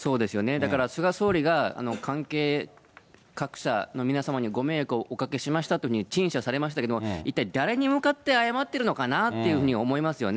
だから菅総理が関係各社の皆様にご迷惑をおかけしましたというふうに陳謝されましたけれども、一体誰に向かって謝ってるのかなっていうふうに思いますよね。